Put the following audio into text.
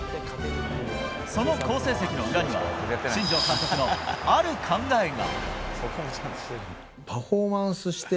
その好成績の裏には新庄監督のある考えが。